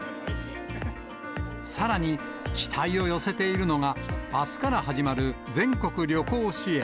さらに、期待を寄せているのが、あすから始まる全国旅行支援。